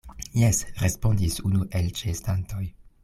Jes, respondis unu el ĉeestantoj.